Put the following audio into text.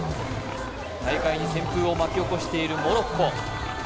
大会に旋風を巻き起こしているモロッコ。